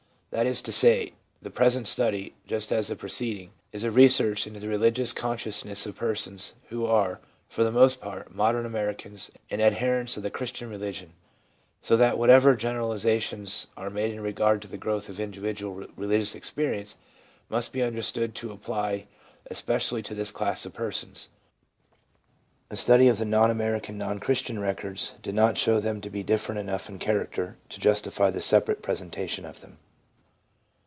That is to say, the present study, just as the preceding, is a re search into the religious consciousness of persons who are, for the most part, modern Americans and adherents of the Christian religion ; so that whatever generalisa tions are made in regard to the growth of individual religious experience must be understood to apply especi ally to this class of persons. A study of the non American, non Christian records did not show them to be different enough in character to justify the separate presentation of them.